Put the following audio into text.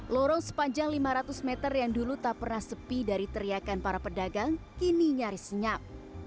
lorong sepanjang lima ratus meter yang dulu tak pernah sepi dari teriakan para pedagang kini nyaris senyap